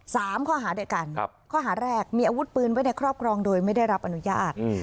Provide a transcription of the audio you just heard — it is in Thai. สามข้อหาด้วยกันครับข้อหาแรกมีอาวุธปืนไว้ในครอบครองโดยไม่ได้รับอนุญาต